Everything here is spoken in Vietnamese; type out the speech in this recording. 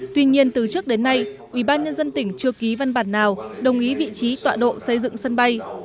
tuy nhiên từ trước đến nay ủy ban nhân dân tỉnh chưa ký văn bản nào đồng ý vị trí tọa độ xây dựng sân bay